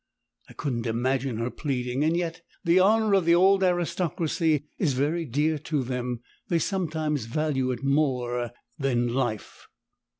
I couldn't imagine her pleading and yet the Honour of the Old Aristocracy is very dear to them; they sometimes value it more than life.